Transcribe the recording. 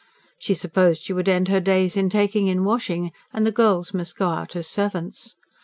She supposed she would end her days in taking in washing, and the girls must go out as servants.